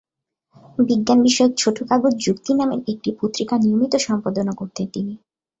বিজ্ঞানবিষয়ক ছোট কাগজ যুক্তি নামের একটি পত্রিকা নিয়মিত সম্পাদনা করতেন তিনি।